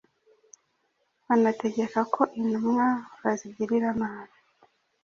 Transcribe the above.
banategeka ko intumwa bazigirira nabi.